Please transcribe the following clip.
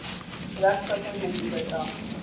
رقص پسند نہیں کرتا